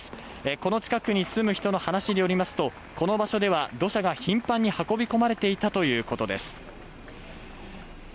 この近くに住む人の話によりますと、この場所では土砂が頻繁に運び込まれていったということです。